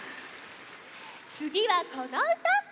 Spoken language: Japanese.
つぎはこのうた！